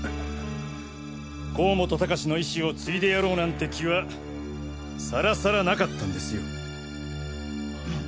甲本高士の遺志を継いでやろうなんて気はサラサラなかったんですよ。